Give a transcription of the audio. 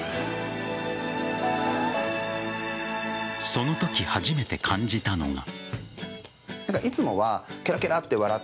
そのとき、初めて感じたのが。